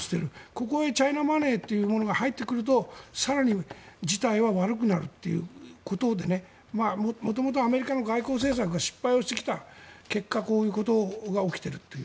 ここにチャイナマネーが入ってくると更に事態は悪くなるということで元々アメリカの外交政策が失敗をしてきた結果こういうことが起きているという。